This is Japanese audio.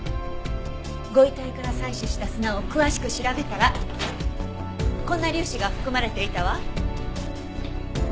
ご遺体から採取した砂を詳しく調べたらこんな粒子が含まれていたわ。